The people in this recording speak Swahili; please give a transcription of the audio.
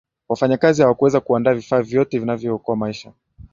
wafanyakazi hawakuweza kuandaa vifaa vyote vinavyookoa maisha